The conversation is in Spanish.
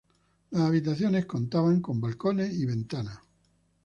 Las habitaciones contaban con balcones y ventanas.